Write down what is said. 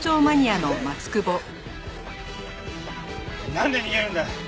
なんで逃げるんだ！？